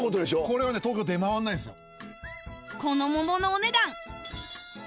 これはね東京出回んないんすよ。